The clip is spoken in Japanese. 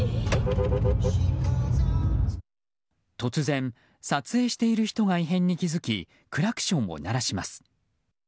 突然、撮影している人が異変に気づきクラクションを鳴らします。